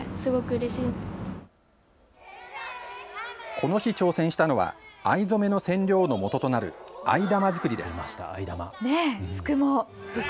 この日、挑戦したのは藍染めの染料のもととなる藍玉作りです。